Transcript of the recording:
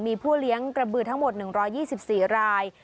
มีผู้เลี้ยงกระบือทั้งหมด๑๒๔ราย